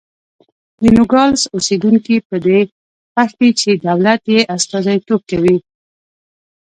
د نوګالس اوسېدونکي په دې خوښ دي چې دولت یې استازیتوب کوي.